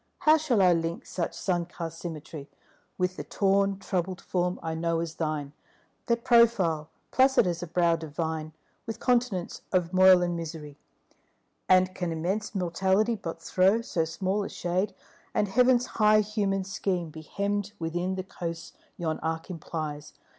How shall I link such sun cast symmetry With the torn troubled form I know as thine, That profile, placid as a brow divine, With continents of moil and misery? And can immense Mortality but throw So small a shade, and Heaven's high human scheme Be hemmed within the coasts yon arc implies?